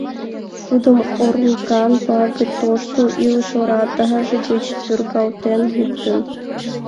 Тудым орлыкан пагыт тошто илыш оратаж гыч тӧргалтен луктын.